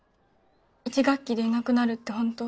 １学期でいなくなるってほんと？